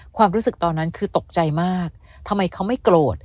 ความรู้สึกตอนนั้นคือตกใจมากทำไมเขาไม่โกรธ